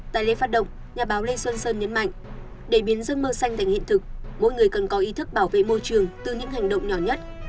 tại lễ phát động nhà báo lê xuân sơn nhấn mạnh để biến giấc mơ xanh thành hiện thực mỗi người cần có ý thức bảo vệ môi trường từ những hành động nhỏ nhất